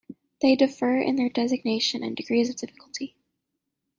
They differ in their designation and degrees of difficulty.